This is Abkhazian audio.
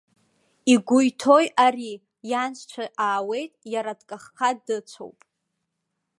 Игәы иҭои ари, ианшьцәа аауеит, иара дкаххаа дыцәоуп.